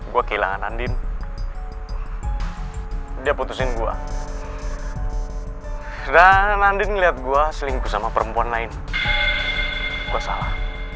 gue kehilangan andin dia putusin gue dan andin lihat gua selingkuh sama perempuan lain gue salah